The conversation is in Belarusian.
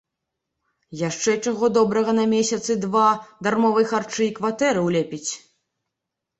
Яшчэ, чаго добрага, на месяцы два дармовай харчы і кватэры ўлепіць!